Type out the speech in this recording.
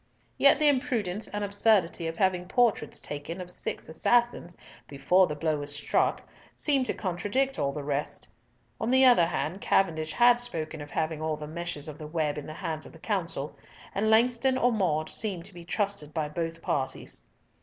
Yet the imprudence and absurdity of having portraits taken of six assassins before the blow was struck seemed to contradict all the rest. On the other hand, Cavendish had spoken of having all the meshes of the web in the hands of the Council; and Langston or Maude seemed to be trusted by both parties.